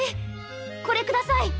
これください。